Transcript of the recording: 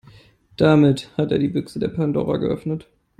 Damit hat er die Büchse der Pandora geöffnet.